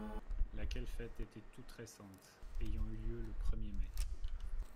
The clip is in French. Laquelle fête était toute récente, ayant eu lieu le premier mai.